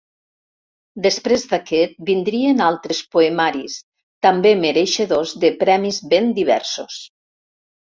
Després d'aquest vindrien altres poemaris, també mereixedors de premis ben diversos.